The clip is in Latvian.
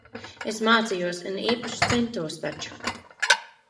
Es mācījos un īpaši centos taču.